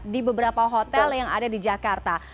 di beberapa hotel yang ada di jakarta